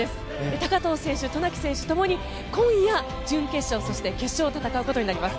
高藤選手渡名喜選手ともに今夜準決勝そして決勝を戦うことになります。